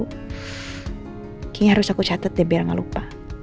kayaknya harus aku catat deh biar gak lupa